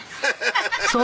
ハハハハ！